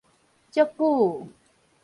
足久